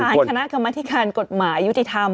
ประธานคณะกรรมนาธิการกฎหมายยุทธิธรรม